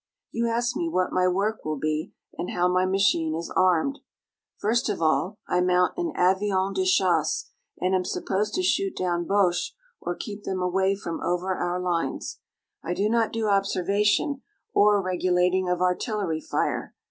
You ask me what my work will be and how my machine is armed. First of all I mount an avion de chasse and am supposed to shoot down Boches or keep them away from over our lines. I do not do observation, or regulating of artillery fire.